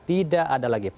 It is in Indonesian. tidak ada lagi potongan